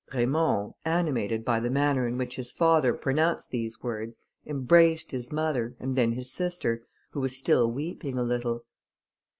Raymond, animated by the manner in which his father pronounced these words, embraced his mother, and then his sister, who was still weeping a little.